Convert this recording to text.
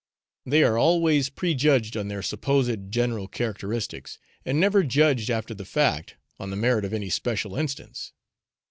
They are always prejudged on their supposed general characteristics, and never judged after the fact on the merit of any special instance.